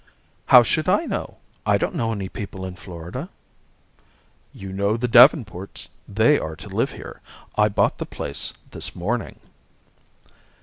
"How should I know? I don't know any people in Florida." "You know the Davenports. They are to live here. I bought the place this morning."